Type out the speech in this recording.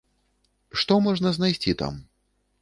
Што можна знайсці там?